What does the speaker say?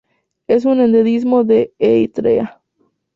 Es un endemismo de Eritrea.